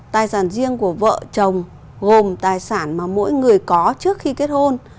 tài sản riêng của vợ chồng gồm tài sản mà mỗi người có trước khi kết hôn